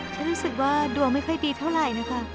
ฉันรู้สึกว่าดวงไม่ค่อยดีเท่าไหร่นะคะ